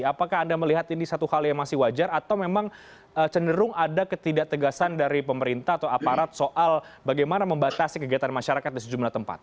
apakah anda melihat ini satu hal yang masih wajar atau memang cenderung ada ketidak tegasan dari pemerintah atau aparat soal bagaimana membatasi kegiatan masyarakat di sejumlah tempat